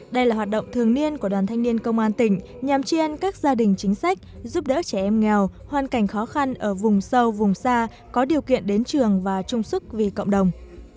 đây là hoạt động thường niên của đoàn thanh niên công an tỉnh nhằm tri ân các gia đình chính sách giúp đỡ trẻ em nghèo hoàn cảnh khó khăn ở vùng sâu vùng xa có điều kiện đến trường và chung sức vì cộng đồng